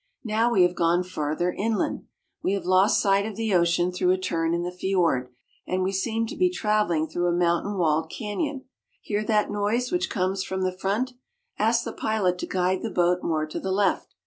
Now we have gone farther inland. We have lost sight of the ocean through a turn in the fiord, and we seem to be traveling through a mountain walled canyon. Hear that noise which comes from the front. Ask the pilot to guide the boat more to the left.